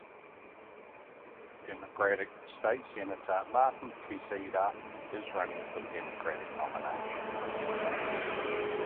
Democrat State Senator Martin Quezada is running for the Democratic nomination.